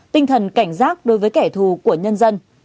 tinh thần cảnh giác đối với kẻ thù của nhân dân